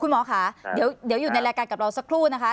หมอค่ะเดี๋ยวอยู่ในรายการกับเราสักครู่นะคะ